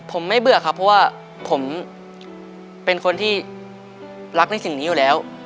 ผมไม่เบื่อครับเพราะว่าผมเป็นคนที่รักในสิ่งนี้อยู่แล้ว